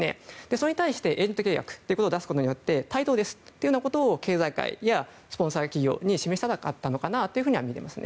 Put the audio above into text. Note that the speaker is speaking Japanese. それに対してエージェント契約を出すことによって対等ですということを経済界やスポンサー企業に示したかったのかなとみています。